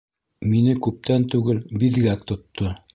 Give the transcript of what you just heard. Мине күптән түгел биҙгәк тотто